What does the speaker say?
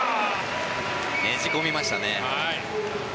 ねじ込みましたね。